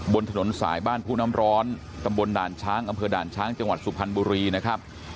บนถนนสายบ้านผู้น้ำร้อนตำบลด่านช้างอำเภอด่านช้างจังหวัดสุพรรณบุรีนะครับ